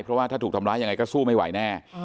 เพราะว่าถ้าถูกทำร้ายยังไงก็สู้ไม่ไหวแน่